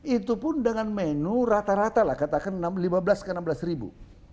itu pun dengan menu rata rata lah katakan lima belas ke enam belas ribu